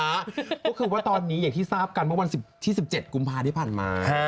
ก็คือว่าตอนนี้ที่ที่ทราบกันวันที่๑๗กุมพาที่ผ่านมา